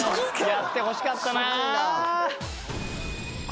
やってほしかったなあ。